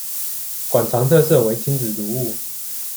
馆藏特色为亲子读物。